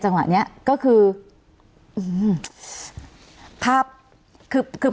จังหวะนี้ก็คือ